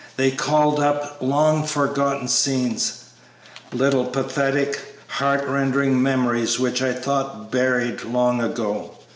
They called up long forgotten scenes, little pathetic, heart rending memories which I thought buried long ago.